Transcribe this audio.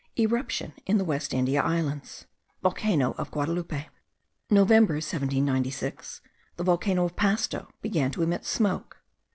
Eruption in the West India Islands. (Volcano of Guadaloupe). November, 1796. The volcano of Pasto began to emit smoke.